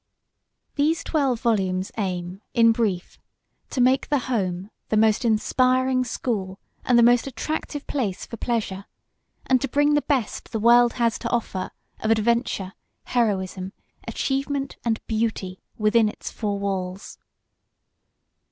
These twelve volumes aim, in brief, to make the home the most inspiring school and the most attractive place for pleasure, and to bring the best the world has to offer of adventure, heroism, achievement and beauty within its four walls.